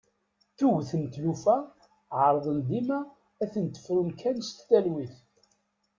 Tuget n tlufa ɛerḍen dima ad tent-frun kan s talwit.